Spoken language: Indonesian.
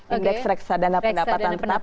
indeks reksadana pendapatan tetap